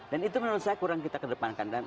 dan itu menurut saya kurang kita kedepankan